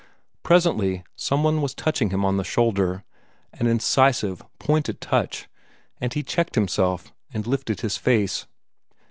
Presently some one was touching him on the shoulder an incisive, pointed touch and he checked himself, and lifted his face.